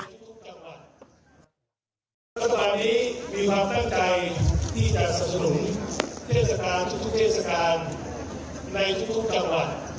รัฐบาลนี้มีความตั้งใจที่จะสนับสนุนเทศกาลทุกเทศกาลในทุกจังหวัด